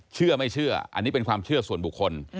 เชื่อไม่เชื่ออันนี้เป็นความเชื่อส่วนบุคคล